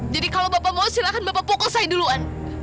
jadi kalau bapak mau silakan bapak pukul saya duluan